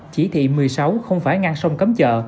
chỉ thị một mươi sáu không phải ngăn sông cấm chợ